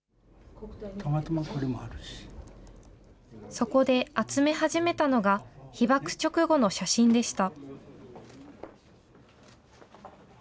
そこで集め始めたのが、被爆直後の写真でした。